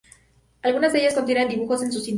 Algunas de ellas contienen dibujos en su interior.